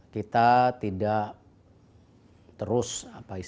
kita tidak terus protes